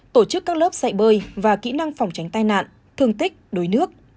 tổ chức các lớp dạy bơi và kỹ năng phòng tránh tai nạn thương tích đuối nước